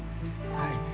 はい。